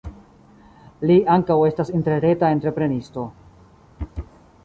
Li ankaŭ estas interreta entreprenisto.